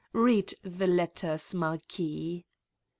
Bead the letters, Marquis."